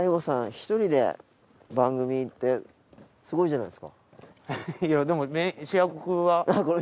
１人で番組ってすごいじゃないですか。